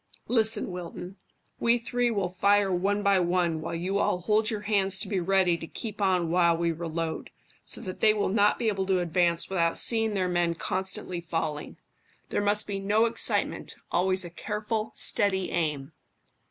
Listen, Wilton; we three will fire one by one while you all hold your hands to be ready to keep on while we reload, so that they will not be able to advance without seeing their men constantly falling. There must be no excitement, always a careful, steady aim."